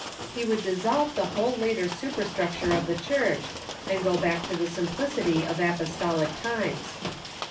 He would dissolve the whole later superstructure of the Church, and go back to the simplicity of apostolic times.